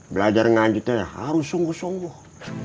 belajar ngaji itu harus sungguh sungguh